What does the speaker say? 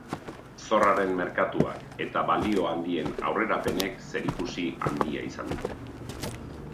Zorraren merkatuak eta balio handien aurrerapenek zerikusi handia izan dute.